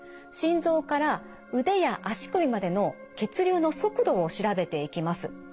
心臓から腕や足首までの血流の速度を調べていきます。